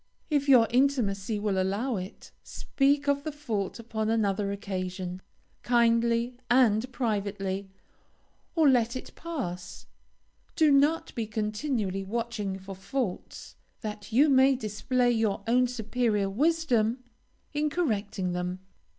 If your intimacy will allow it, speak of the fault upon another occasion, kindly and privately, or let it pass. Do not be continually watching for faults, that you may display your own superior wisdom in correcting them.